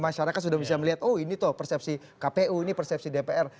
masyarakat sudah bisa melihat oh ini tuh persepsi kpu ini persepsi dpr